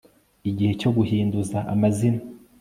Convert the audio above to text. igihe cyo guhinduza amazina